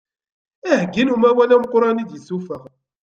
Aheggi n umawal ameqqran i d-yesuffeɣ.